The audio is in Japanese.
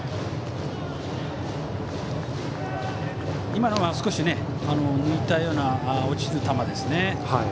今のは、少し抜いたような落ちる球ですね。